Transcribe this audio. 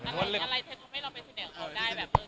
อะไรที่ทำให้เราไปสนิทกับเขาก็ได้แบบ